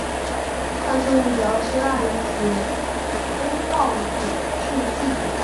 它的作用主要是钠离子通道阻滞剂。